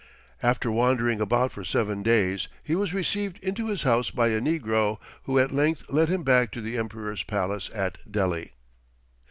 After wandering about for seven days, he was received into his house by a negro, who at length led him back to the emperor's palace at Delhi.